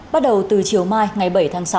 bắt đầu từ chiều mai ngày bảy tháng sáu